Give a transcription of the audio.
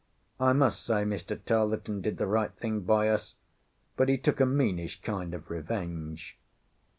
I must say Mr. Tarleton did the right thing by us; but he took a meanish kind of a revenge.